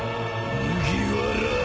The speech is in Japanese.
麦わら。